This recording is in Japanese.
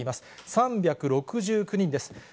３６９人です。